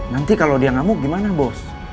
nanti kalau dia ngamuk gimana bos